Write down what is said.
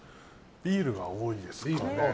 ビールが多いですかね。